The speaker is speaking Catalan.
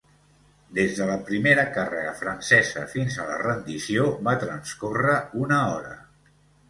Des de la primera càrrega francesa fins a la rendició va transcórrer una hora.